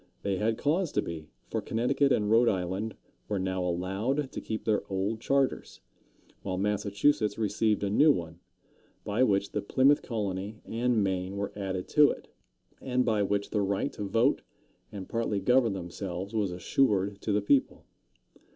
They had cause to be, for Connecticut and Rhode Island were now allowed to keep their old charters, while Massachusetts received a new one, by which the Plymouth colony and Maine were added to it, and by which the right to vote and partly govern themselves was assured to the people.